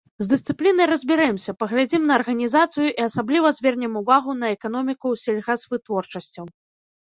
З дысцыплінай разбярэмся, паглядзім на арганізацыю і асабліва звернем увагу на эканоміку сельгасвытворчасцяў.